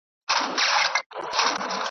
پر دې لاره مي پل زوړ سو له کاروان سره همزولی .